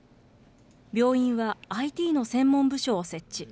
病院はＩＴの専門部署を設置。